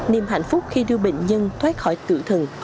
niềm hạnh phúc khi đưa bệnh nhân thoát khỏi tử thần